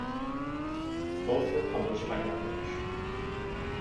Both were published by Routledge.